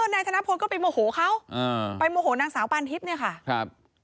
นายธนพลก็ไปโมโหเขาอ่าไปโมโหนางสาวปานทิพย์เนี่ยค่ะครับ